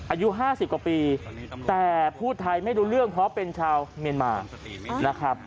อายุ๕๐กว่าปีแต่พูดไทยไม่รู้เรื่องเพราะเป็นชาวเมียนมานะครับ